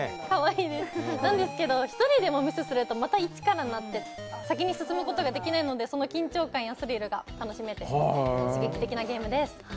なんですけど、１人でもミスするとまた１からになって、先に進むことができないので、その緊張感やスリルが味わえて刺激的なゲームです。